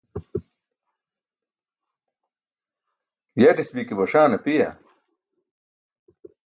Yatis bi ke baṣaan apiya?